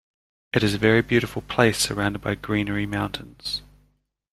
It is a very beautiful place surrounded by greenery mountains.